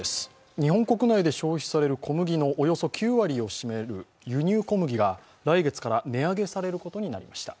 日本国内で消費される小麦のおよそ９割を占める輸入小麦が来月から値上げされることになりました。